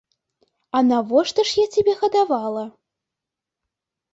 А навошта ж я цябе гадавала?